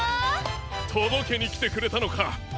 とどけにきてくれたのか！